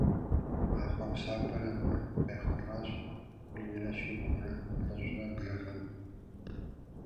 А хъуэпсапӏэр абы къехъулӏащ минрэ щибгъурэ плӏыщӏрэ блы гъэм.